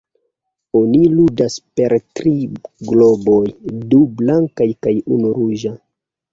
Oni ludas per tri globoj: du blankaj kaj unu ruĝa.